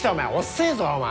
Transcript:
遅えぞお前！